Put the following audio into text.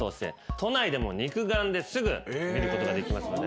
都内でも肉眼ですぐ見ることができますので。